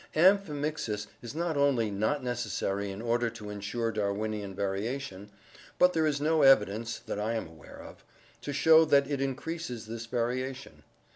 Amphimixis is not only not necessary in order to insure Darwinian variation, but there is no evidence (that I am aware of) to show that it increases this variation.